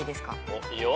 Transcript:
おっいいよ。